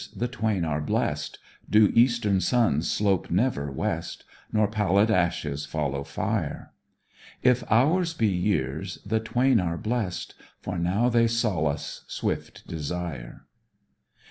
The twain are blest Do eastern suns slope never west, Nor pallid ashes follow fire. If hours be years the twain are blest For now they solace swift desire.